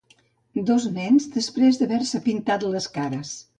Dos nens després d'haver-se pintat les cares.